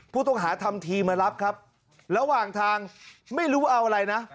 ผู้ต้องหาทำทีมารับครับระหว่างทางไม่รู้ว่าเอาอะไรนะ